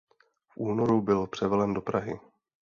V únoru byl převelen do Prahy.